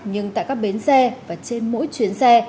nhưng tại các bến xe và trên mỗi chuyến xe